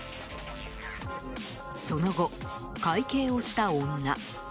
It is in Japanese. その後、会計をした女。